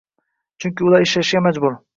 Chunki ular ishlashga majbur qiladi.